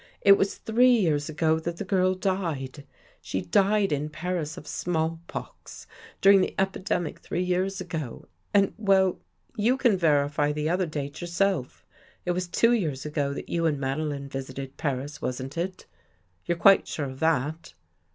It was three years ^go that the girl died. She died in Paris of 48 WHAT JEFFREY SAW small pox — during the epidemic three years ago. And, well — you can verify the other date your self. It was two years ago that you and Madeline visited Paris, wasn't it? You're quite sure of that?"